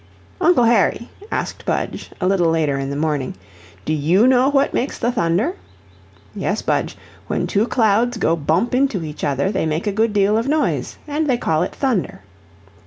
"Uncle Harry," asked Budge, a little later in the morning, "do you know what makes the thunder?" "Yes, Budge when two clouds go bump into each other they make a good deal of noise, and they call it thunder."